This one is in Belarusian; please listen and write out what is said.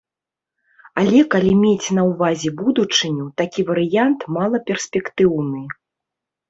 Але калі мець на ўвазе будучыню, такі варыянт малаперспектыўны.